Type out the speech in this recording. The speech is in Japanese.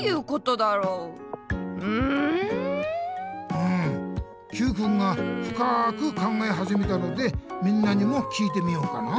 うんＱくんがふかく考えはじめたのでみんなにも聞いてみようかな。